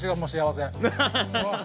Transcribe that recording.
アハハハハ！